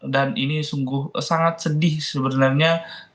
dan ini sungguh sangat sedih sebenarnya